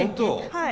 はい。